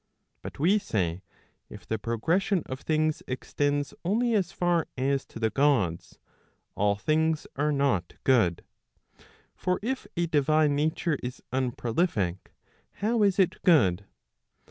But we say, if the progression of things extends only as far as to the Gods, all things are not good. For if a divine nature is unprolific how is it good